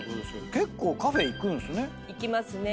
結構カフェ行くんですね。